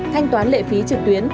thanh toán lệ phí trực tuyến